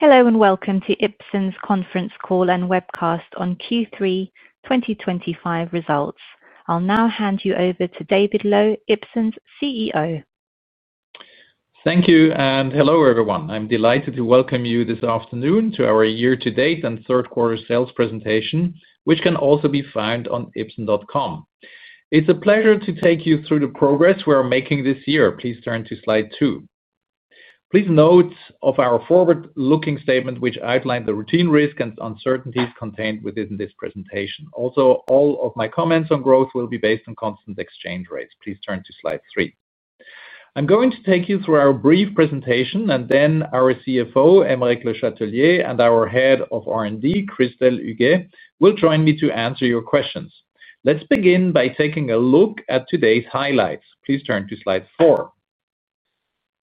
Hello and welcome to Ipsen's conference call and webcast on Q3 2025 results. I'll now hand you over to David Loew, Ipsen's CEO. Thank you, and hello everyone. I'm delighted to welcome you this afternoon to our year-to-date and third-quarter sales presentation, which can also be found on ipsen.com. It's a pleasure to take you through the progress we are making this year. Please turn to slide two. Please note our forward-looking statement, which outlines the routine risks and uncertainties contained within this presentation. Also, all of my comments on growth will be based on constant exchange rates. Please turn to slide three. I'm going to take you through our brief presentation, and then our CFO, Aymeric Le Chatelier, and our Head of R&D, Christelle Huguet, will join me to answer your questions. Let's begin by taking a look at today's highlights. Please turn to slide four.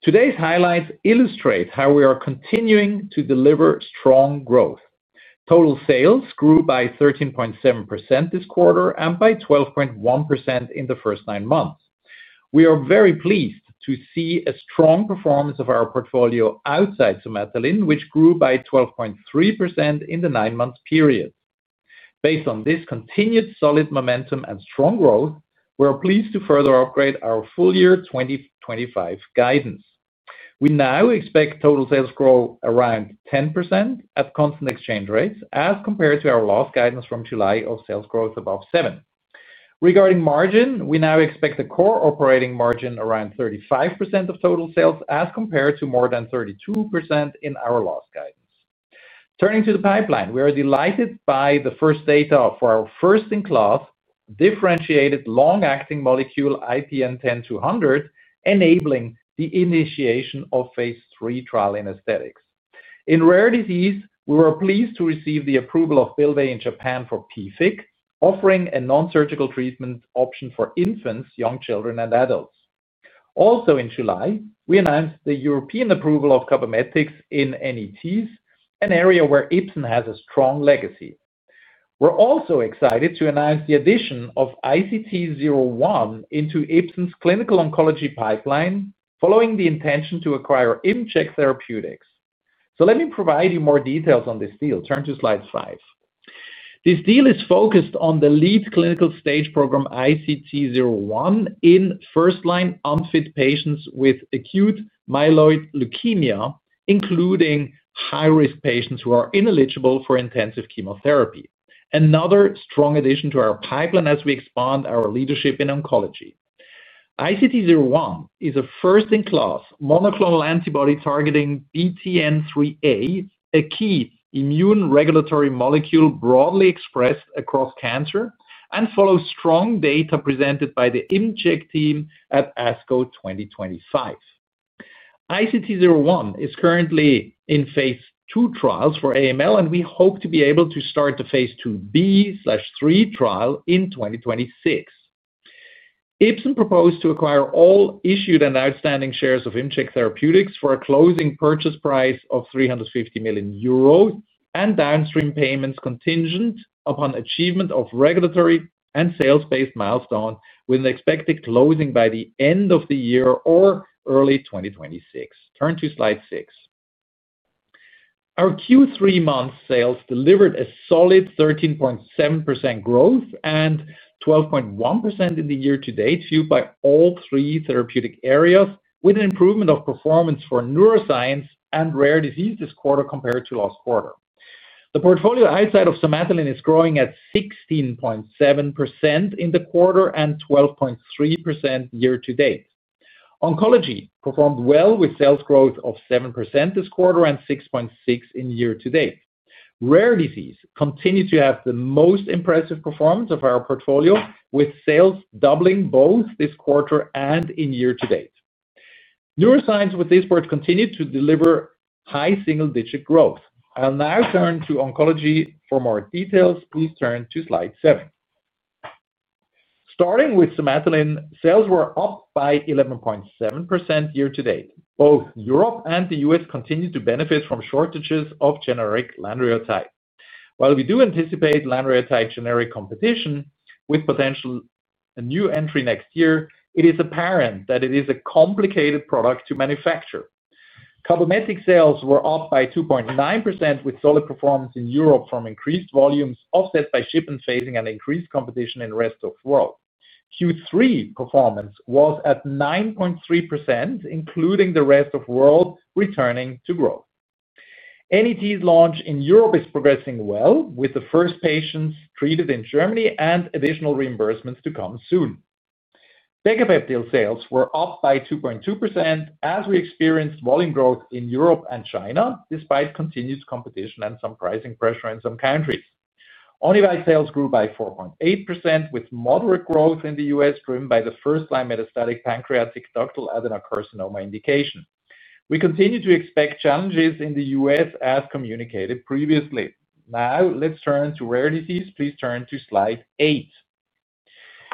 Today's highlights illustrate how we are continuing to deliver strong growth. Total sales grew by 13.7% this quarter and by 12.1% in the first nine months. We are very pleased to see a strong performance of our portfolio outside Somatuline, which grew by 12.3% in the nine-month period. Based on this continued solid momentum and strong growth, we are pleased to further upgrade our full-year 2025 guidance. We now expect total sales growth around 10% at constant exchange rates as compared to our last guidance from July of sales growth above 7%. Regarding margin, we now expect the core operating margin around 35% of total sales as compared to more than 32% in our last guidance. Turning to the pipeline, we are delighted by the first data for our first-in-class differentiated long-acting molecule, IPN10200, enabling the initiation of phase III trial in aesthetics. In rare disease, we were pleased to receive the approval of Bylvay in Japan for PFIC, offering a non-surgical treatment option for infants, young children, and adults. Also in July, we announced the European approval of Cabometyx in NETs, an area where Ipsen has a strong legacy. We are also excited to announce the addition of ICT01 into Ipsen's clinical oncology pipeline, following the intention to acquire ImCheck Therapeutics. Let me provide you more details on this deal. Turn to slide five. This deal is focused on the lead clinical stage program, ICT01, in first-line unfit patients with acute myeloid leukemia, including high-risk patients who are ineligible for intensive chemotherapy. Another strong addition to our pipeline as we expand our leadership in oncology. ICT01 is a first-in-class monoclonal antibody targeting BTN3A, a key immune regulatory molecule broadly expressed across cancer, and follows strong data presented by the ImCheck team at ASCO 2025. ICT01 is currently in phase II trials for acute myeloid leukemia, and we hope to be able to start the phase II-B/III trial in 2026. Ipsen proposed to acquire all issued and outstanding shares of ImCheck Therapeutics for a closing purchase price of 350 million euros and downstream payments contingent upon achievement of regulatory and sales-based milestones, with an expected closing by the end of the year or early 2026. Turn to slide six. Our Q3 month sales delivered a solid 13.7% growth and 12.1% in the year-to-date viewed by all three therapeutic areas, with an improvement of performance for neuroscience and rare disease this quarter compared to last quarter. The portfolio outside of Somatuline is growing at 16.7% in the quarter and 12.3% year-to-date. Oncology performed well with sales growth of 7% this quarter and 6.6% year-to-date. Rare disease continues to have the most impressive performance of our portfolio, with sales doubling both this quarter and in year-to-date. Neuroscience, with Dysport, continued to deliver high single-digit growth. I'll now turn to oncology. For more details, please turn to slide seven. Starting with Somatuline, sales were up by 11.7% year-to-date. Both Europe and the U.S. continue to benefit from shortages of generic lanreotide. While we do anticipate lanreotide generic competition with potential new entry next year, it is apparent that it is a complicated product to manufacture. Cabometyx sales were up by 2.9%, with solid performance in Europe from increased volumes offset by shipment phasing and increased competition in the rest of the world. Q3 performance was at 9.3%, including the rest of the world returning to growth. NET's launch in Europe is progressing well, with the first patients treated in Germany and additional reimbursements to come soon. Decapeptyl sales were up by 2.2% as we experienced volume growth in Europe and China, despite continued competition and some pricing pressure in some countries. Onivyde sales grew by 4.8%, with moderate growth in the U.S., driven by the first-line metastatic pancreatic ductal adenocarcinoma indication. We continue to expect challenges in the U.S., as communicated previously. Now let's turn to rare disease. Please turn to slide eight.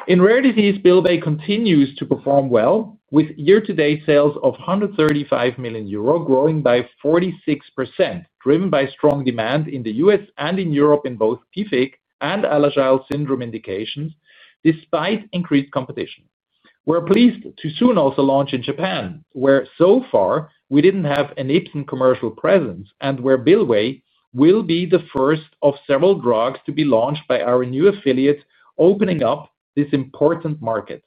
In rare disease, Bylvay continues to perform well, with year-to-date sales of 135 million euro growing by 46%, driven by strong demand in the U.S. and in Europe in both PFIC and Alagille syndrome indications, despite increased competition. We're pleased to soon also launch in Japan, where so far we didn't have an Ipsen commercial presence and where Bylvay will be the first of several drugs to be launched by our new affiliate, opening up this important market.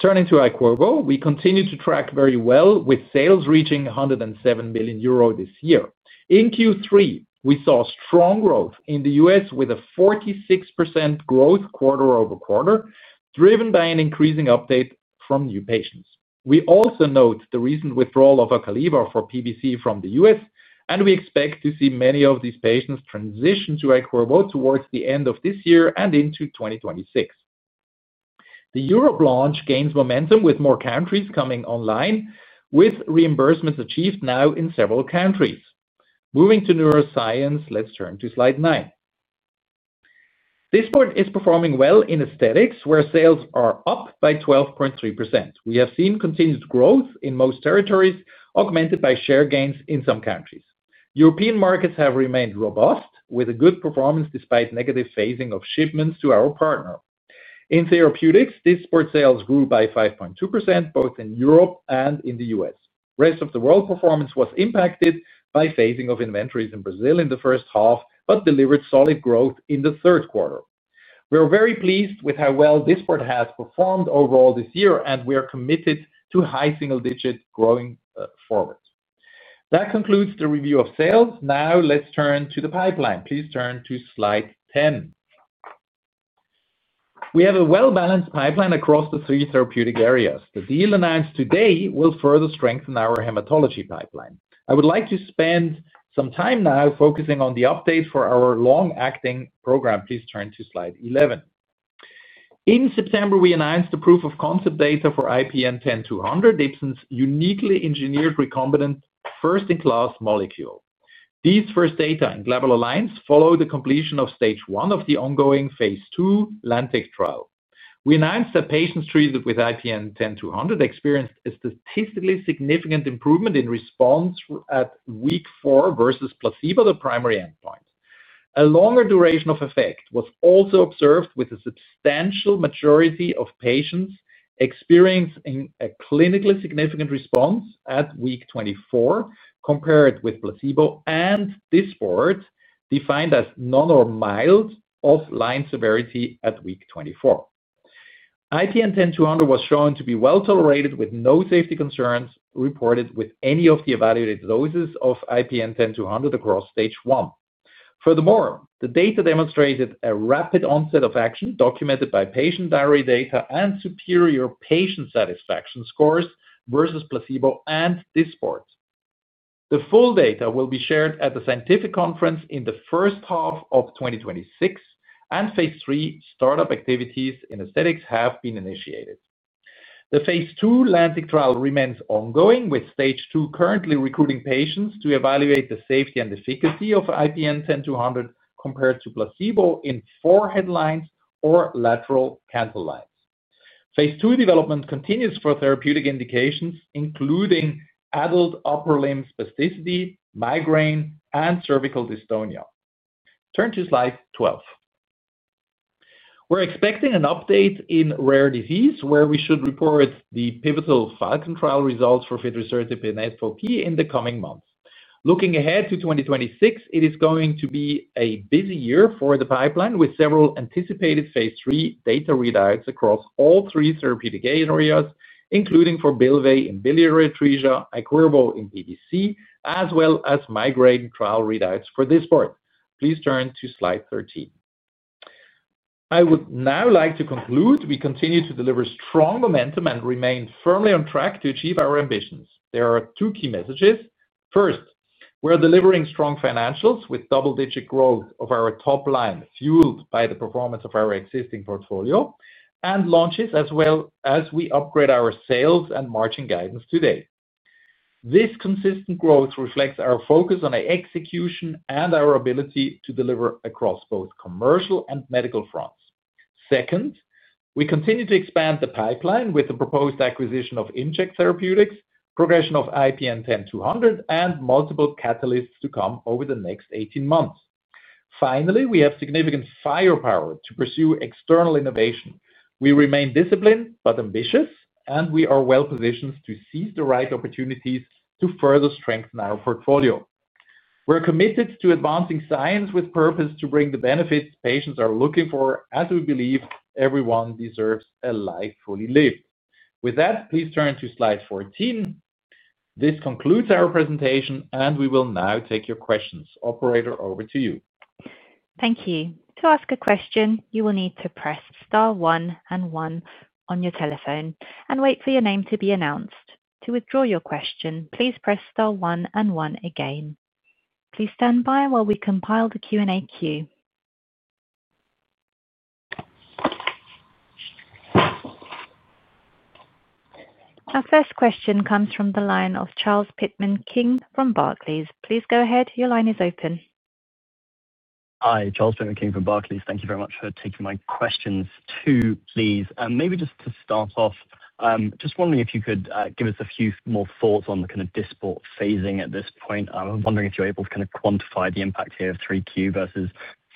Turning to IQIRVO, we continue to track very well, with sales reaching 107 million euro this year. In Q3, we saw strong growth in the U.S., with a 46% growth quarter-over-quarter, driven by an increasing uptake from new patients. We also note the recent withdrawal of OCALIVA for PBC from the U.S., and we expect to see many of these patients transition to IQIRVO towards the end of this year and into 2026. The Europe launch gains momentum with more countries coming online, with reimbursements achieved now in several countries. Moving to neuroscience, let's turn to slide nine. Dysport is performing well in aesthetics, where sales are up by 12.3%. We have seen continued growth in most territories, augmented by share gains in some countries. European markets have remained robust, with a good performance despite negative phasing of shipments to our partner. In therapeutics, Dysport sales grew by 5.2%, both in Europe and in the U.S. The rest of the world performance was impacted by phasing of inventories in Brazil in the first half, but delivered solid growth in the third quarter. We're very pleased with how well Dysport has performed overall this year, and we are committed to high single-digit growth going forward. That concludes the review of sales. Now let's turn to the pipeline. Please turn to slide 10. We have a well-balanced pipeline across the three therapeutic areas. The deal announced today will further strengthen our hematology pipeline. I would like to spend some time now focusing on the update for our long-acting program. Please turn to slide 11. In September, we announced the proof of concept data for IPN10200, Ipsen's uniquely engineered recombinant first-in-class molecule. These first data in Global Alliance follow the completion of stage one of the ongoing phase II LANTIC trial. We announced that patients treated with IPN10200 experienced a statistically significant improvement in response at week four versus placebo, the primary endpoint. A longer duration of effect was also observed, with a substantial majority of patients experiencing a clinically significant response at week 24 compared with placebo, and this board defined as non or mild of line severity at week 24. IPN10200 was shown to be well tolerated, with no safety concerns reported with any of the evaluated doses of IPN10200 across stage one. Furthermore, the data demonstrated a rapid onset of action documented by patient diary data and superior patient satisfaction scores versus placebo and this board. The full data will be shared at the scientific conference in the first half of 2026, and phase III startup activities in aesthetics have been initiated. The phase II LANTIC trial remains ongoing, with stage two currently recruiting patients to evaluate the safety and efficacy of IPN10200 compared to placebo in four headlines or lateral canthal lines. Phase II development continues for therapeutic indications, including adult upper limb spasticity, migraine, and cervical dystonia. Turn to slide 12. We're expecting an update in rare disease, where we should report the pivotal FALKON trial results for fidrisertib in FOP in the coming months. Looking ahead to 2026, it is going to be a busy year for the pipeline, with several anticipated phase III data readouts across all three therapeutic areas, including for Bylvay in biliary atresia, IQIRVO in PBC, as well as migraine trial readouts for Dysport. Please turn to slide 13. I would now like to conclude. We continue to deliver strong momentum and remain firmly on track to achieve our ambitions. There are two key messages. First, we're delivering strong financials with double-digit growth of our top line, fueled by the performance of our existing portfolio and launches, as well as we upgrade our sales and margin guidance today. This consistent growth reflects our focus on execution and our ability to deliver across both commercial and medical fronts. Second, we continue to expand the pipeline with the proposed acquisition of ImCheck Therapeutics, progression of IPN10200, and multiple catalysts to come over the next 18 months. Finally, we have significant firepower to pursue external innovation. We remain disciplined but ambitious, and we are well positioned to seize the right opportunities to further strengthen our portfolio. We're committed to advancing science with purpose to bring the benefits patients are looking for, as we believe everyone deserves a life fully lived. With that, please turn to slide 14. This concludes our presentation, and we will now take your questions. Operator, over to you. Thank you. To ask a question, you will need to press star one and one on your telephone and wait for your name to be announced. To withdraw your question, please press star one and one again. Please stand by while we compile the Q&A queue. Our first question comes from the line of Charles Pitman-King from Barclays. Please go ahead. Your line is open. Hi, Charles Pitman-King from Barclays. Thank you very much for taking my questions two, please. Maybe just to start off, just wondering if you could give us a few more thoughts on the kind of Dysport phasing at this point. I'm wondering if you're able to kind of quantify the impact here of 3Q versus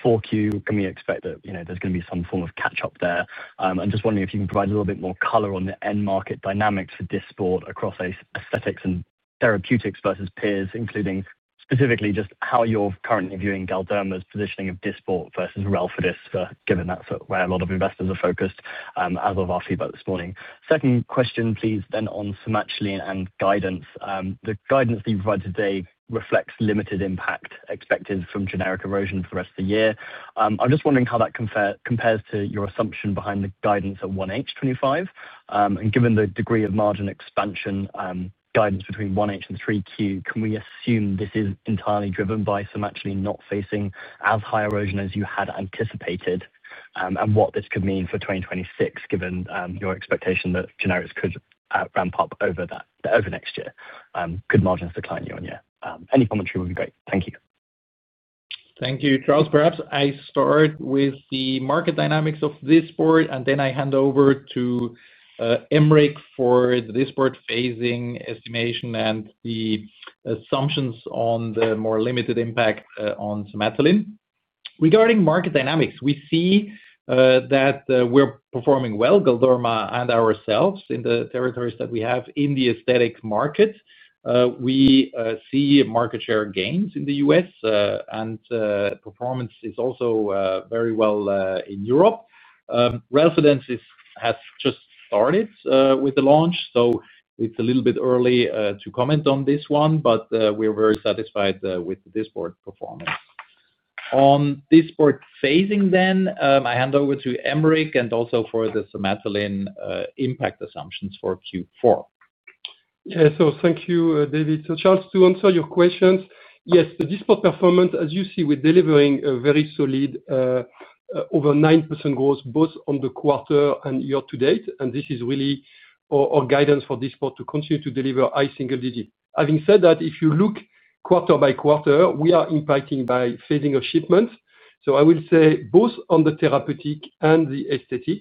4Q. Can we expect that there's going to be some form of catch-up there? I'm just wondering if you can provide a little bit more color on the end market dynamics for Dysport across aesthetics and therapeutics versus peers, including specifically just how you're currently viewing Galderma's positioning of Dysport versus [Revance's DAXXIFY], given that's where a lot of investors are focused as of our feedback this morning. Second question, please, then on Somatuline and guidance. The guidance that you provided today reflects limited impact expected from generic erosion for the rest of the year. I'm just wondering how that compares to your assumption behind the guidance at 1H 2025. Given the degree of margin expansion guidance between 1H and 3Q, can we assume this is entirely driven by Somatuline not facing as high erosion as you had anticipated and what this could mean for 2026, given your expectation that generics could ramp up over that over the next year? Good margins declining year on year. Any commentary would be great. Thank you. Thank you, Charles. Perhaps I start with the market dynamics of Dysport, and then I hand over to Aymeric for the Dysport phasing estimation and the assumptions on the more limited impact on Somatuline. Regarding market dynamics, we see that we're performing well, Galderma and ourselves, in the territories that we have in the aesthetic market. We see market share gains in the U.S., and performance is also very well in Europe. [Revance's DAXXIFY] has just started with the launch, so it's a little bit early to comment on this one, but we're very satisfied with the Dysport performance. On Dysport phasing then, I hand over to Aymeric and also for the Somatuline impact assumptions for Q4. Yeah, so thank you, David. Charles, to answer your questions, yes, the Dysport performance, as you see, we're delivering a very solid over 9% growth, both on the quarter and year to date, and this is really our guidance for Dysport to continue to deliver high single digit. Having said that, if you look quarter by quarter, we are impacted by phasing of shipments. I will say both on the therapeutic and the aesthetic,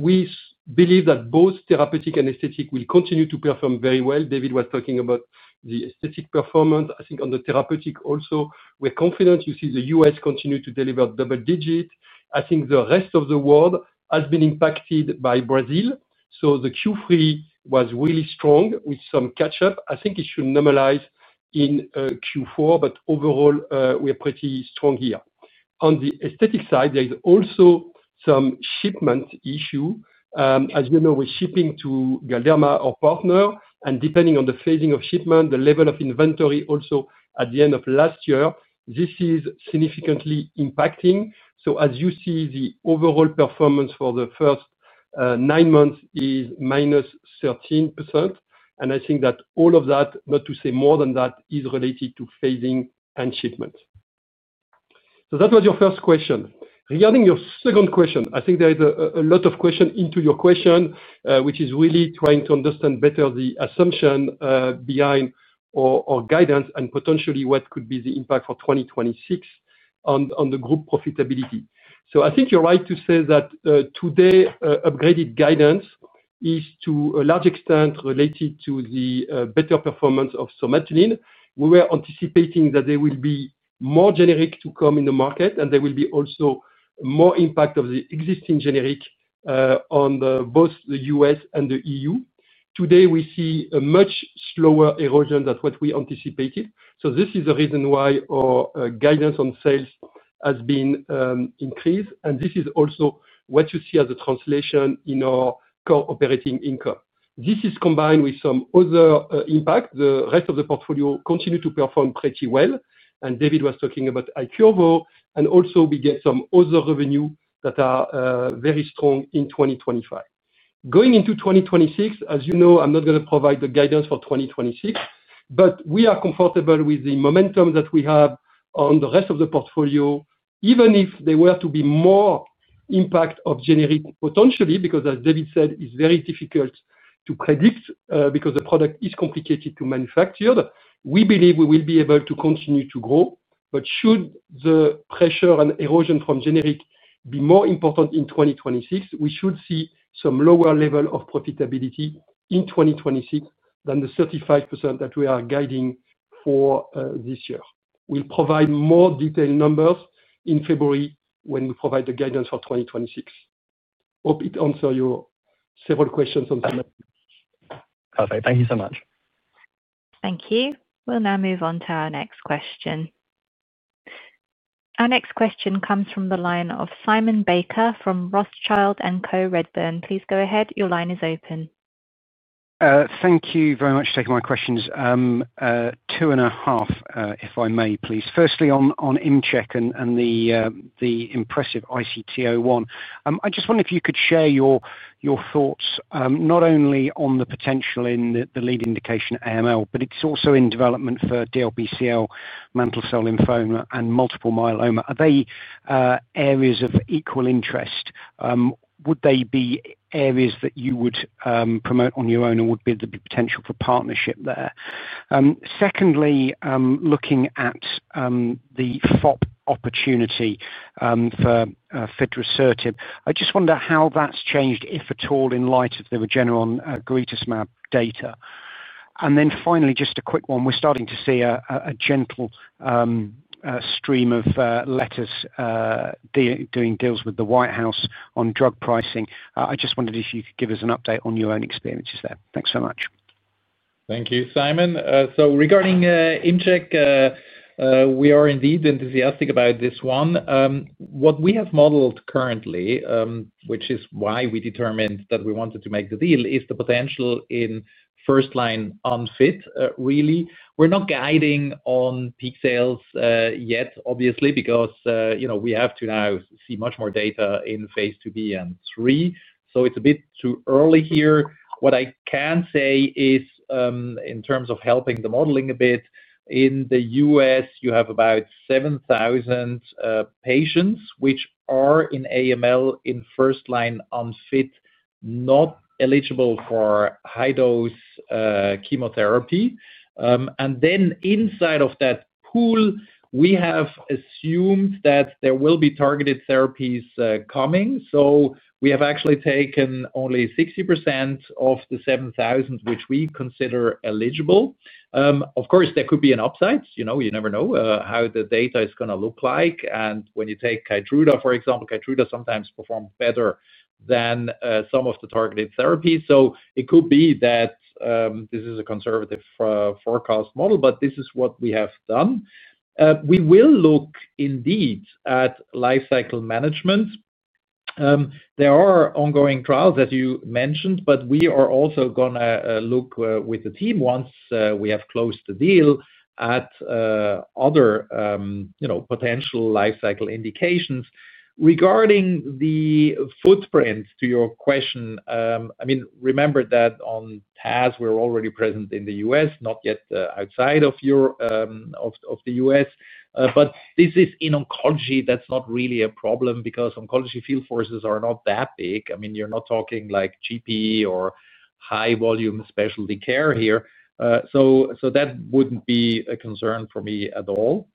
we believe that both therapeutic and aesthetic will continue to perform very well. David was talking about the aesthetic performance. I think on the therapeutic also, we're confident. You see the U.S. continue to deliver double digit. I think the rest of the world has been impacted by Brazil, so the Q3 was really strong with some catch-up. I think it should normalize in Q4, but overall we're pretty strong here. On the aesthetic side, there is also some shipment issue. As you know, we're shipping to Galderma, our partner, and depending on the phasing of shipment, the level of inventory also at the end of last year, this is significantly impacting. As you see, the overall performance for the first nine months is -13%, and I think that all of that, not to say more than that, is related to phasing and shipments. That was your first question. Regarding your second question, I think there is a lot of questions into your question, which is really trying to understand better the assumption behind our guidance and potentially what could be the impact for 2026 on the group profitability. I think you're right to say that today upgraded guidance is to a large extent related to the better performance of Somatuline. We were anticipating that there will be more generics to come in the market, and there will be also more impact of the existing generics on both the U.S. and the E.U. Today we see a much slower erosion than what we anticipated, so this is the reason why our guidance on sales has been increased, and this is also what you see as a translation in our core operating income. This is combined with some other impact. The rest of the portfolio continues to perform pretty well, and David was talking about IQIRVO, and also we get some other revenue that are very strong in 2025. Going into 2026, as you know, I'm not going to provide the guidance for 2026, but we are comfortable with the momentum that we have on the rest of the portfolio, even if there were to be more impact of generic potentially, because as David said, it's very difficult to predict because the product is complicated to manufacture. We believe we will be able to continue to grow, but should the pressure and erosion from generics be more important in 2026, we should see some lower level of profitability in 2026 than the 35% that we are guiding for this year. We'll provide more detailed numbers in February when we provide the guidance for 2026. Hope it answers your several questions on Somatuline. Perfect. Thank you so much. Thank you. We'll now move on to our next question. Our next question comes from the line of Simon Baker from Rothschild & Co Redburn. Please go ahead. Your line is open. Thank you very much for taking my questions. Two and a half, if I may, please. Firstly, on ImCheck and the impressive ICT01, I just wonder if you could share your thoughts not only on the potential in the lead indication acute myeloid leukemia, but it's also in development for DLBCL, mantle cell lymphoma, and multiple myeloma. Are they areas of equal interest? Would they be areas that you would promote on your own, and would there be the potential for partnership there? Secondly, looking at the FOP opportunity for fidrisertib, I just wonder how that's changed, if at all, in light of the Regeneron greatest map data. Finally, just a quick one. We're starting to see a gentle stream of letters doing deals with the White House on drug pricing. I just wondered if you could give us an update on your own experiences there. Thanks so much. Thank you, Simon. Regarding ImCheck, we are indeed enthusiastic about this one. What we have modeled currently, which is why we determined that we wanted to make the deal, is the potential in first-line unfit, really. We're not guiding on peak sales yet, obviously, because we have to now see much more data in phase II-B and III, so it's a bit too early here. What I can say is, in terms of helping the modeling a bit, in the U.S., you have about 7,000 patients which are in acute myeloid leukemia in first-line unfit, not eligible for high-dose chemotherapy. Inside of that pool, we have assumed that there will be targeted therapies coming, so we have actually taken only 60% of the 7,000 which we consider eligible. Of course, there could be an upside. You never know how the data is going to look like. When you take Keytruda, for example, Keytruda sometimes performs better than some of the targeted therapies. It could be that this is a conservative forecast model, but this is what we have done. We will look indeed at lifecycle management. There are ongoing trials, as you mentioned, but we are also going to look with the team once we have closed the deal at other potential lifecycle indications. Regarding the footprint to your question, remember that on TAZ, we're already present in the U.S., not yet outside of the U.S. This is in oncology. That's not really a problem because oncology field forces are not that big. You're not talking like GP or high-volume specialty care here. That wouldn't be a concern for me at all.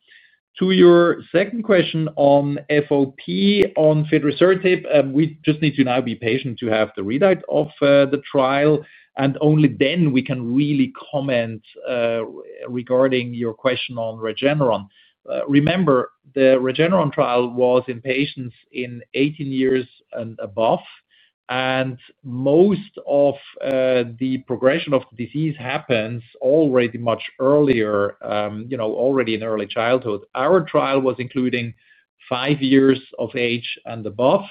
To your second question on FOP on fidrisertib, we just need to now be patient to have the readout of the trial, and only then we can really comment regarding your question on Regeneron. Remember, the Regeneron trial was in patients in 18 years and above, and most of the progression of the disease happens already much earlier, already in early childhood. Our trial was including five years of age and above.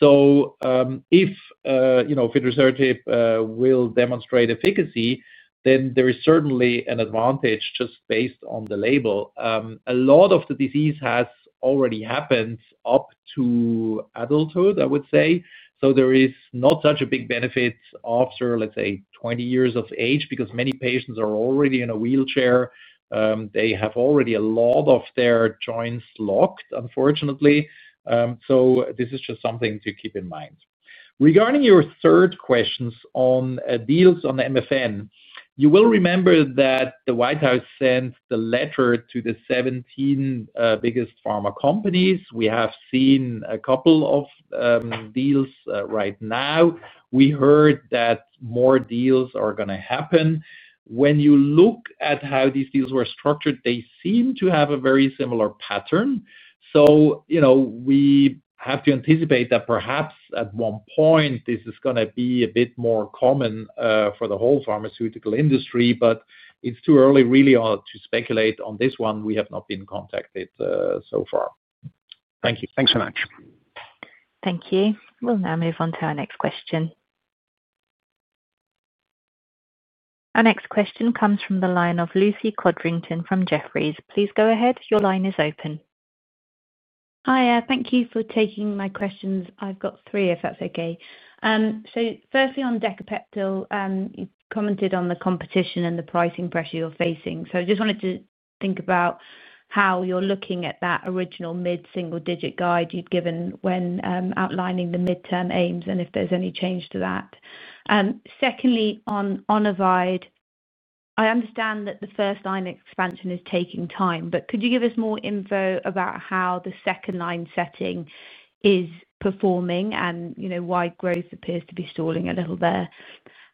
If fidrisertib will demonstrate efficacy, then there is certainly an advantage just based on the label. A lot of the disease has already happened up to adulthood, I would say. There is not such a big benefit after, let's say, 20 years of age because many patients are already in a wheelchair. They have already a lot of their joints locked, unfortunately. This is just something to keep in mind. Regarding your third question on deals on the MFN, you will remember that the White House sent the letter to the 17 biggest pharma companies. We have seen a couple of deals right now. We heard that more deals are going to happen. When you look at how these deals were structured, they seem to have a very similar pattern. We have to anticipate that perhaps at one point this is going to be a bit more common for the whole pharmaceutical industry, but it's too early really to speculate on this one. We have not been contacted so far. Thank you. Thanks so much. Thank you. We'll now move on to our next question. Our next question comes from the line of Lucy Codrington from Jefferies. Please go ahead. Your line is open. Hi. Thank you for taking my questions. I've got three, if that's okay. Firstly, on Decapeptyl, you commented on the competition and the pricing pressure you're facing. I just wanted to think about how you're looking at that original mid-single-digit guide you'd given when outlining the mid-term aims and if there's any change to that. Secondly, on Onivyde, I understand that the first-line expansion is taking time, but could you give us more info about how the second-line setting is performing and why growth appears to be stalling a little there?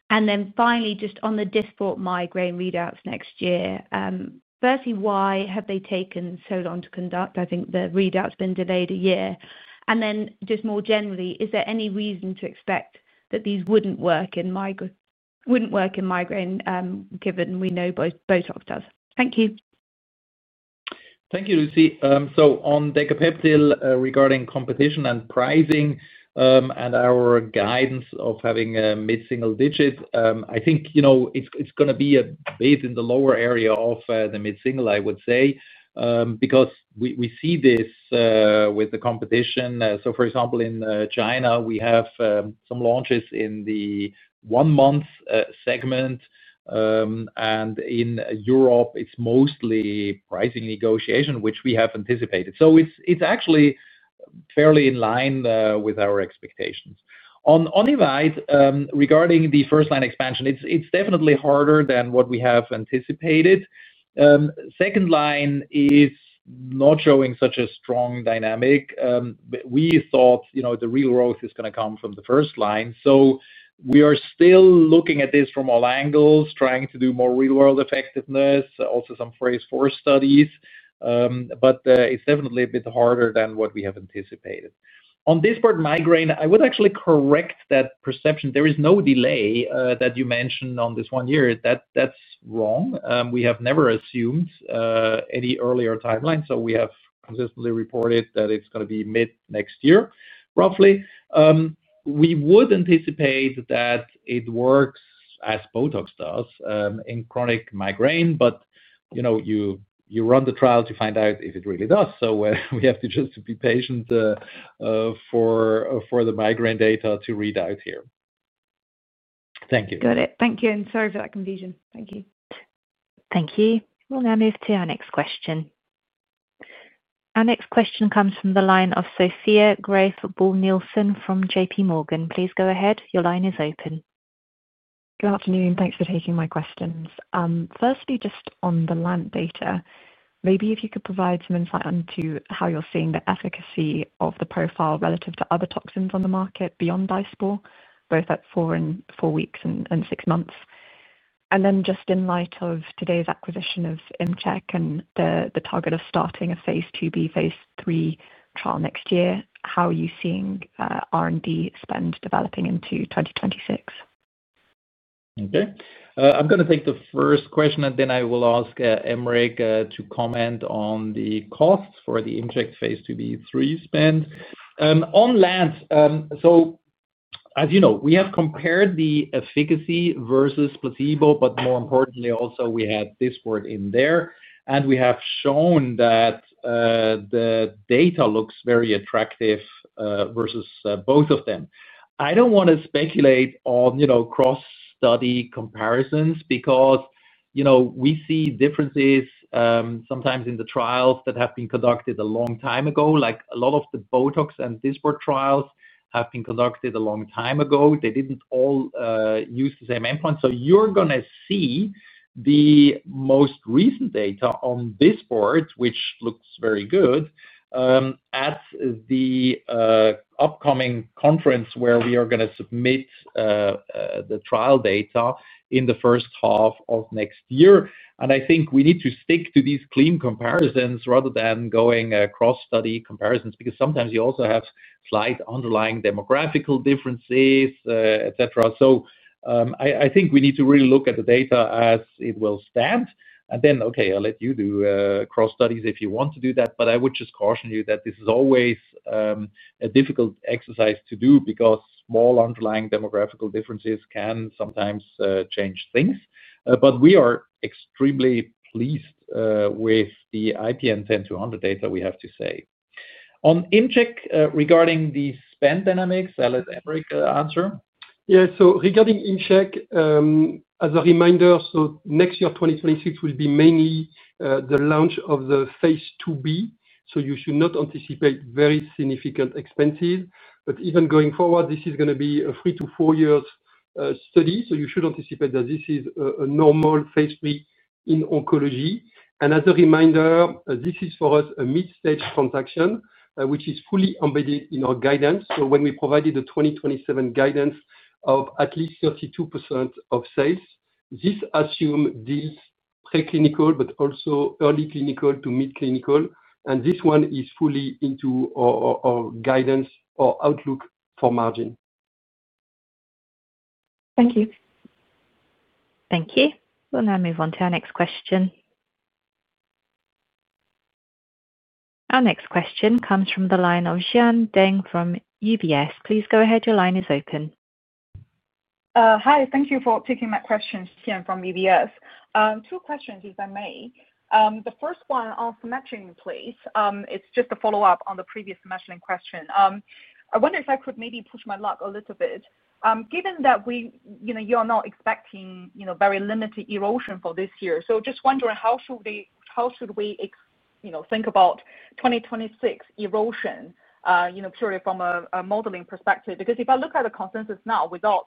Finally, just on the Dysport migraine readouts next year, firstly, why have they taken so long to conduct? I think the readout's been delayed a year. More generally, is there any reason to expect that these wouldn't work in migraine, given we know Botox does? Thank you. Thank you, Lucy. On Decapeptyl, regarding competition and pricing and our guidance of having a mid-single digit, I think it's going to be a bit in the lower area of the mid-single, I would say, because we see this with the competition. For example, in China, we have some launches in the one-month segment, and in Europe, it's mostly pricing negotiation, which we have anticipated. It's actually fairly in line with our expectations. On Onivyde, regarding the first-line expansion, it's definitely harder than what we have anticipated. Second-line is not showing such a strong dynamic. We thought the real growth is going to come from the first-line. We are still looking at this from all angles, trying to do more real-world effectiveness, also some phase IV studies. It's definitely a bit harder than what we have anticipated. On Dysport migraine, I would actually correct that perception. There is no delay that you mentioned on this one year. That's wrong. We have never assumed any earlier timeline. We have consistently reported that it's going to be mid next year, roughly. We would anticipate that it works as Botox does in chronic migraine, but you run the trial to find out if it really does. We have to just be patient for the migraine data to read out here. Thank you. Got it. Thank you, and sorry for that confusion. Thank you. Thank you. We'll now move to our next question. Our next question comes from the line of Sophia Graeff Buhl-Nielsen from JPMorgan. Please go ahead. Your line is open. Good afternoon. Thanks for taking my questions. Firstly, just on the LAMP data, maybe if you could provide some insight into how you're seeing the efficacy of the profile relative to other toxins on the market beyond Dysport, both at four and four weeks and six months. In light of today's acquisition of ImCheck and the target of starting a phase II-B, phase III trial next year, how are you seeing R&D spend developing into 2026? Okay. I'm going to take the first question, and then I will ask Aymeric to comment on the cost for the ImCheck phase II-B/III spend. On LAMP, as you know, we have compared the efficacy versus placebo, but more importantly, also we had this word in there, and we have shown that the data looks very attractive versus both of them. I don't want to speculate on cross-study comparisons because we see differences sometimes in the trials that have been conducted a long time ago. A lot of the Botox and Dysport trials have been conducted a long time ago. They didn't all use the same endpoints. You're going to see the most recent data on Dysport, which looks very good, at the upcoming conference where we are going to submit the trial data in the first half of next year. I think we need to stick to these clean comparisons rather than going cross-study comparisons because sometimes you also have slight underlying demographical differences, etc. I think we need to really look at the data as it will stand. I'll let you do cross-studies if you want to do that. I would just caution you that this is always a difficult exercise to do because small underlying demographical differences can sometimes change things. We are extremely pleased with the IPN10200 data we have to say. On ImCheck regarding the spend dynamics, I'll let Aymeric answer. Yeah. Regarding ImCheck, as a reminder, next year, 2026, will be mainly the launch of the phase II-B. You should not anticipate very significant expenses. Even going forward, this is going to be a three to four year study. You should anticipate that this is a normal phase III in oncology. As a reminder, this is for us a mid-stage transaction, which is fully embedded in our guidance. When we provided the 2027 guidance of at least 32% of sales, this assumes deals preclinical, but also early clinical to mid-clinical. This one is fully into our guidance or outlook for margin. Thank you. Thank you. We'll now move on to our next question. Our next question comes from the line of Xian Deng from UBS. Please go ahead. Your line is open. Hi. Thank you for taking that question, Xian, from UBS. Two questions, if I may. The first one on Somatuline, please. It's just a follow-up on the previous Somatuline question. I wonder if I could maybe push my luck a little bit. Given that you are not expecting very limited erosion for this year, just wondering how should we think about 2026 erosion purely from a modeling perspective? Because if I look at the consensus now without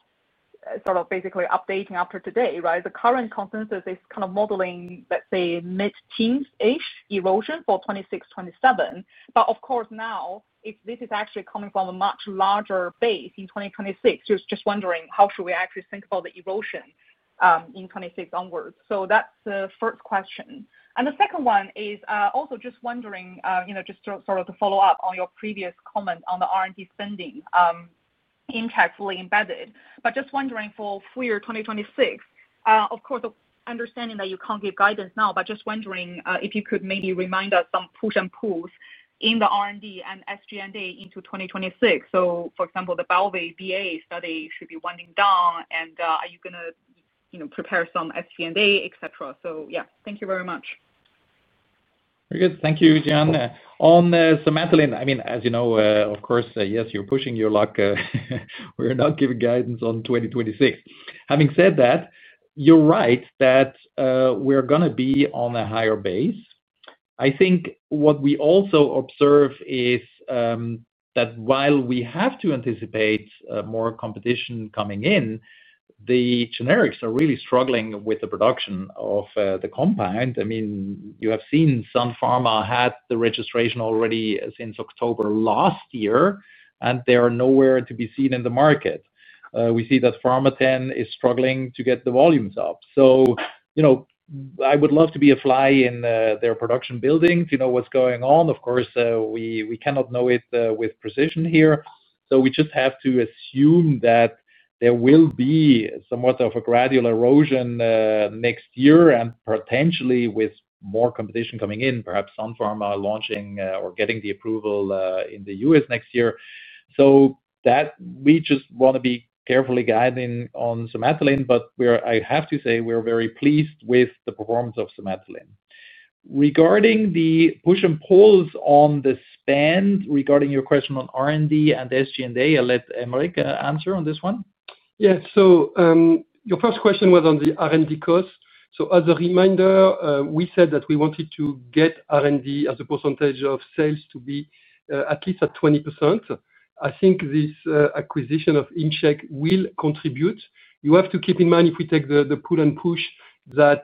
basically updating after today, the current consensus is kind of modeling, let's say, mid-teens-ish erosion for 2026, 2027. Of course, now, if this is actually coming from a much larger base in 2026, just wondering how should we actually think about the erosion in 2026 onwards. That's the first question. The second one is also just wondering, you know, just to follow up on your previous comment on the R&D spending ImCheck fully embedded. Just wondering for full year 2026, of course, understanding that you can't give guidance now, but just wondering if you could maybe remind us some push and pulls in the R&D and SG&A into 2026. For example, the BA study should be winding down, and are you going to prepare some SG&A, etc.? Thank you very much. Very good. Thank you, Xian. On Somatuline, as you know, of course, yes, you're pushing your luck. We're not giving guidance on 2026. Having said that, you're right that we're going to be on a higher base. I think what we also observe is that while we have to anticipate more competition coming in, the generics are really struggling with the production of the compound. You have seen Sun Pharma had the registration already since October last year, and they are nowhere to be seen in the market. We see that Pharmathen is struggling to get the volumes up. I would love to be a fly in their production building to know what's going on. Of course, we cannot know it with precision here. We just have to assume that there will be somewhat of a gradual erosion next year and potentially with more competition coming in, perhaps Sun Pharma launching or getting the approval in the U.S. next year. We just want to be carefully guiding on Somatuline, but I have to say we're very pleased with the performance of Somatuline. Regarding the push and pulls on the spend, regarding your question on R&D and SG&A, I'll let Aymeric answer on this one. Yeah. Your first question was on the R&D cost. As a reminder, we said that we wanted to get R&D as a percentage of sales to be at least at 20%. I think this acquisition of ImCheck will contribute. You have to keep in mind if we take the pull and push that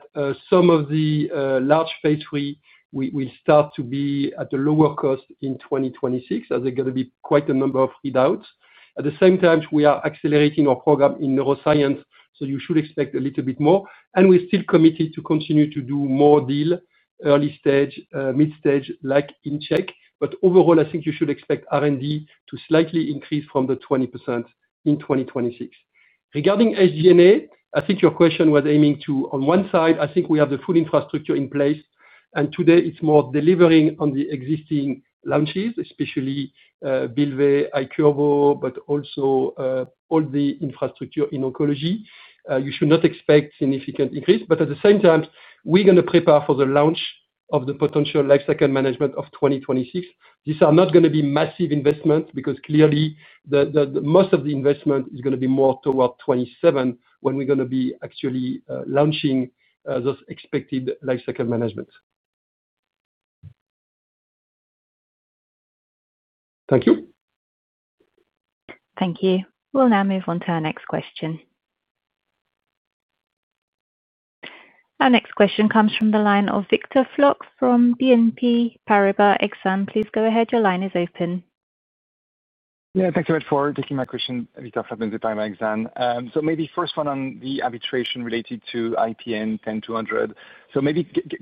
some of the large phase III will start to be at the lower cost in 2026, as there are going to be quite a number of readouts. At the same time, we are accelerating our program in neuroscience, so you should expect a little bit more. We're still committed to continue to do more deals, early stage, mid-stage, like ImCheck. Overall, I think you should expect R&D to slightly increase from the 20% in 2026. Regarding SG&A, I think your question was aiming to, on one side, I think we have the full infrastructure in place, and today it's more delivering on the existing launches, especially Bylvay, IQIRVO, but also all the infrastructure in oncology. You should not expect a significant increase. At the same time, we're going to prepare for the launch of the potential lifecycle management of 2026. These are not going to be massive investments because clearly most of the investment is going to be more toward 2027 when we're going to be actually launching those expected lifecycle managements. Thank you. Thank you. We'll now move on to our next question. Our next question comes from the line of Victor Floc'h from BNP Paribas Exane. Please go ahead. Your line is open. Yeah. Thanks a bit for taking my question, Victor Floc'h, BNP Paribas Exane. Maybe first one on the arbitration related to IPN10200.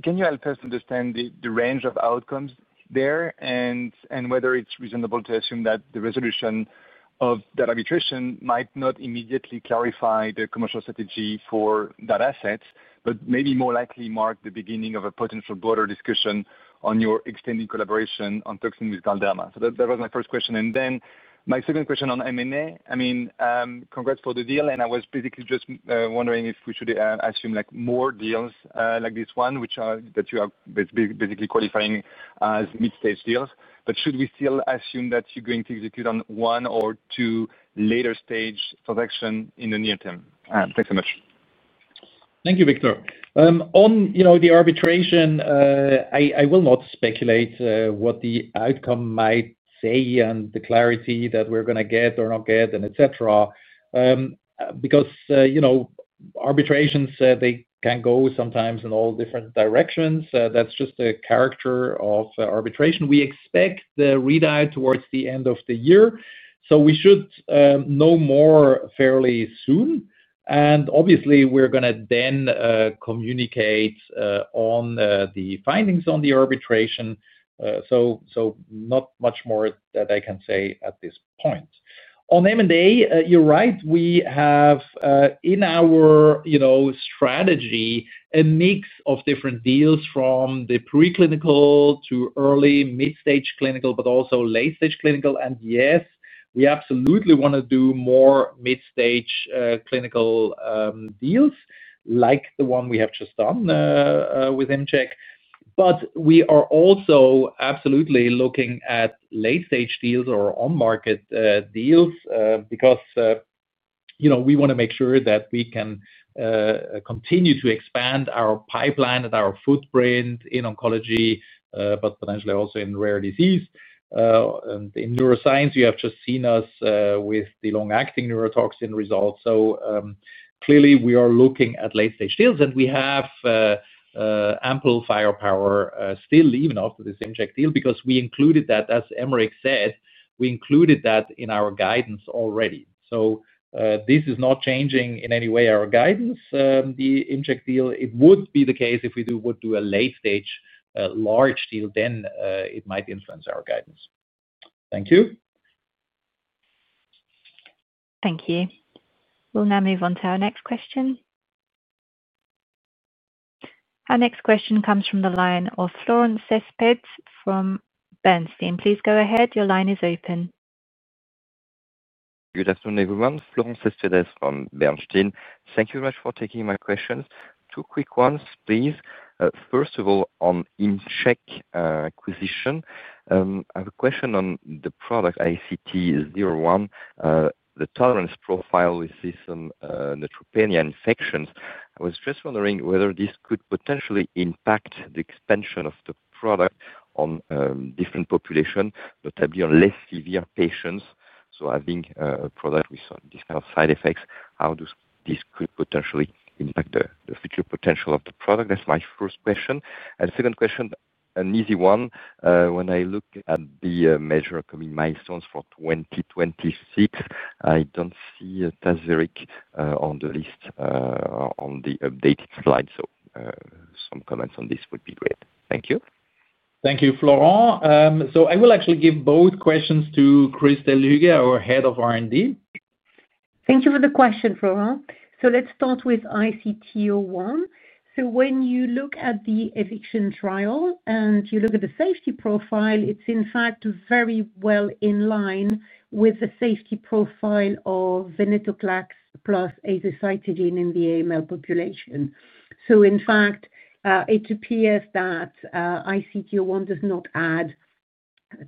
Can you help us understand the range of outcomes there and whether it's reasonable to assume that the resolution of that arbitration might not immediately clarify the commercial strategy for that asset, but maybe more likely mark the beginning of a potential broader discussion on your extended collaboration on toxins with Galderma? That was my first question. My second question on M&A. Congrats for the deal, and I was basically just wondering if we should assume more deals like this one, which you are basically qualifying as mid-stage deals. Should we still assume that you're going to execute on one or two later stage transactions in the near term? Thanks so much. Thank you, Victor. On the arbitration, I will not speculate what the outcome might say and the clarity that we're going to get or not get, etc. Arbitrations can go sometimes in all different directions. That's just the character of arbitration. We expect the readout towards the end of the year. We should know more fairly soon. Obviously, we're going to then communicate on the findings on the arbitration. Not much more that I can say at this point. On M&A, you're right. We have in our strategy a mix of different deals from the preclinical to early mid-stage clinical, but also late-stage clinical. Yes, we absolutely want to do more mid-stage clinical deals like the one we have just done with ImCheck, but we are also absolutely looking at late-stage deals or on-market deals because we want to make sure that we can continue to expand our pipeline and our footprint in oncology, but potentially also in rare disease. In neuroscience, you have just seen us with the long-acting neurotoxin results. Clearly, we are looking at late-stage deals, and we have ample firepower still even after this ImCheck deal because we included that, as Aymeric said, we included that in our guidance already. This is not changing in any way our guidance, the ImCheck deal. It would be the case if we would do a late-stage large deal. Then it might influence our guidance. Thank you. Thank you. We'll now move on to our next question. Our next question comes from the line of Florent Cespedes from Bernstein. Please go ahead. Your line is open. Good afternoon, everyone. Florent Cespedes from Bernstein. Thank you very much for taking my questions. Two quick ones, please. First of all, on the ImCheck acquisition, I have a question on the product ICT01, the tolerance profile with the neutropenia infections. I was just wondering whether this could potentially impact the expansion of the product on different populations, notably on less severe patients. Having a product with these kinds of side effects, how could this potentially impact the future potential of the product? That's my first question. The second question, an easy one. When I look at the major coming milestones for 2026, I don't see TAZVERIK on the list on the updated slide. Some comments on this would be great. Thank you. Thank you, Florent. I will actually give both questions to Christelle Huguet, our Head of R&D. Thank you for the question, Florent. Let's start with ICT01. When you look at the eviction trial and you look at the safety profile, it's in fact very well in line with the safety profile of venetoclax plus azacitidine in the acute myeloid leukemia population. It appears that ICT01 does not add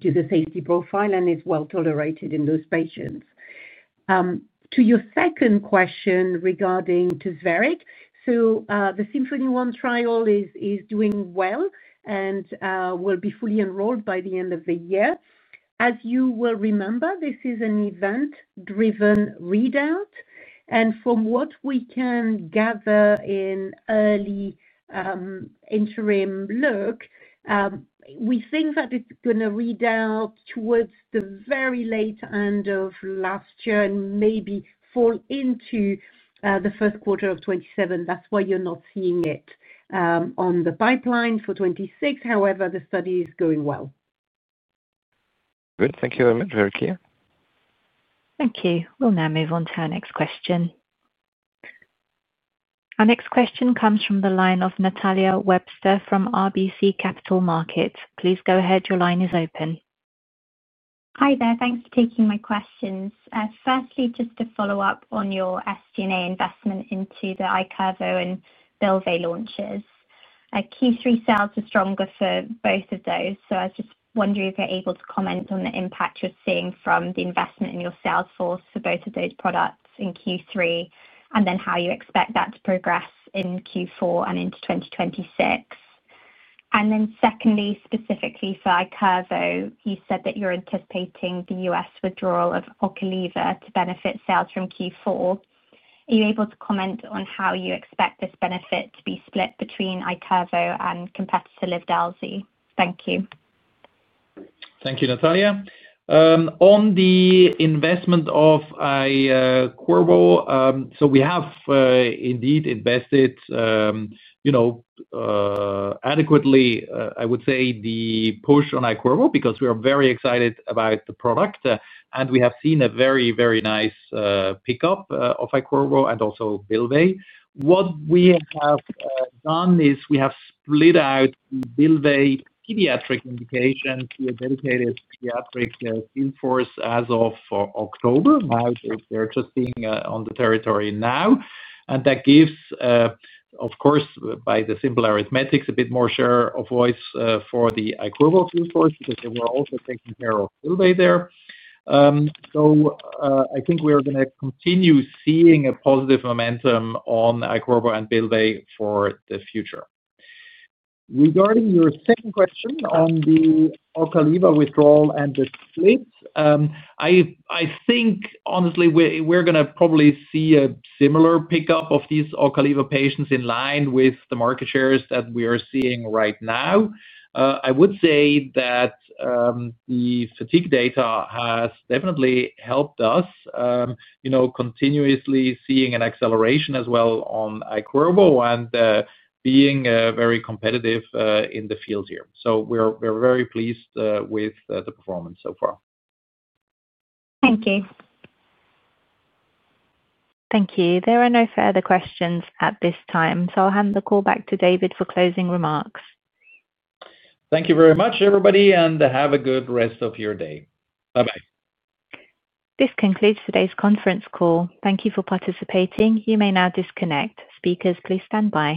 to the safety profile and is well tolerated in those patients. To your second question regarding TAZVERIK, the SYMPHONY-1 trial is doing well and will be fully enrolled by the end of the year. As you will remember, this is an event-driven readout. From what we can gather in early interim look, we think that it's going to read out towards the very late end of last year and maybe fall into the first quarter of 2027. That's why you're not seeing it on the pipeline for 2026. However, the study is going well. Good. Thank you. Very clear. Thank you. We'll now move on to our next question. Our next question comes from the line of Natalia Webster from RBC Capital Markets. Please go ahead. Your line is open. Hi there. Thanks for taking my questions. Firstly, just to follow up on your SG&A investment into the IQIRVO and Bylvay launches. Q3 sales are stronger for both of those. I was just wondering if you're able to comment on the impact you're seeing from the investment in your sales force for both of those products in Q3, and how you expect that to progress in Q4 and into 2026. Secondly, specifically for IQIRVO, you said that you're anticipating the U.S. withdrawal of OCALIVA to benefit sales from Q4. Are you able to comment on how you expect this benefit to be split between IQIRVO and competitor Livdelzi? Thank you. Thank you, Natalia. On the investment of IQIRVO, we have indeed invested adequately, I would say, the push on IQIRVO because we are very excited about the product. We have seen a very, very nice pickup of IQIRVO and also Bylvay. What we have done is we have split out Bylvay pediatric indications to a dedicated pediatric field force as of October. They're just being on the territory now. That gives, of course, by the simple arithmetics, a bit more share of voice for the IQIRVO field force because they were also taking care of Bylvay there. I think we are going to continue seeing a positive momentum on IQIRVO and Bylvay for the future. Regarding your second question on the OCALIVA withdrawal and the split, I think, honestly, we're going to probably see a similar pickup of these OCALIVA patients in line with the market shares that we are seeing right now. I would say that the fatigue data has definitely helped us continuously seeing an acceleration as well on IQIRVO and being very competitive in the field here. We're very pleased with the performance so far. Thank you. Thank you. There are no further questions at this time. I'll hand the call back to David for closing remarks. Thank you very much, everybody, and have a good rest of your day. Bye-bye. This concludes today's conference call. Thank you for participating. You may now disconnect. Speakers, please stand by.